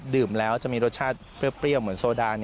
แล้วจะมีรสชาติเปรี้ยวเหมือนโซดา